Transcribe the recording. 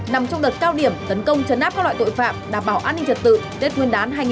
nằm trong đợt cao điểm tấn công chấn áp các loại tội phạm đảm bảo an ninh trật tự tết nguyên đán hai nghìn hai mươi bốn